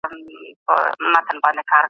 کڼو ته د اوریدلو ماشینونه څنګه ورکول کیږي؟